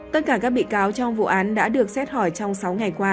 tất cả các bị cáo trong vụ án đã được xét hỏi trong sáu ngày qua